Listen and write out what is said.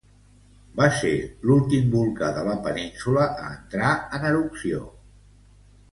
Va ser l'últim volcà de la península a entrar en erupció.